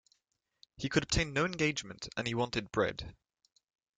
He could obtain no engagement, and he wanted bread.